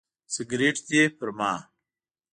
سګرټ دې پر ما.